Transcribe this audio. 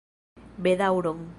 Bedaŭron.